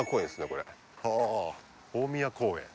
これはあ大宮公園